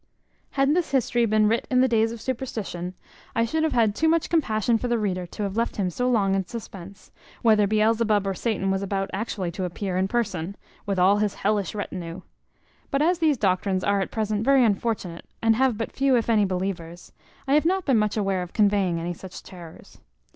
Had this history been writ in the days of superstition, I should have had too much compassion for the reader to have left him so long in suspense, whether Beelzebub or Satan was about actually to appear in person, with all his hellish retinue; but as these doctrines are at present very unfortunate, and have but few, if any believers, I have not been much aware of conveying any such terrors.